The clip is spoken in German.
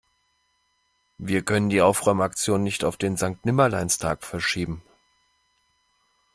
Wir können die Aufräumaktion nicht auf den Sankt-Nimmerleins-Tag verschieben.